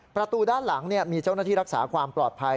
ประตูด้านหลังมีเจ้าหน้าที่รักษาความปลอดภัย